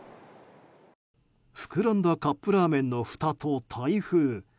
膨らんだカップラーメンのふたと台風。